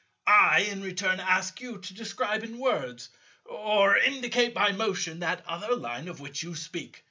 I, in return, ask you to describe in words or indicate by motion that other Line of which you speak.